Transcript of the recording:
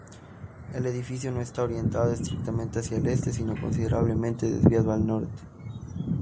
El edificio no está orientado estrictamente hacia el este, sino considerablemente desviado al norte.